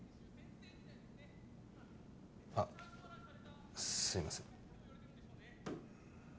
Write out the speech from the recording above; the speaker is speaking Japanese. あっすみません。